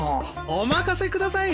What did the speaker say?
お任せください！